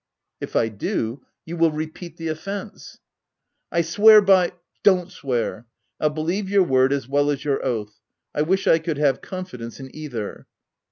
" If I do, you will repeat the offence." " I swear by —*'" Don't swear ; I'll believe your word as well as your oath. I wish I could have confidence in either."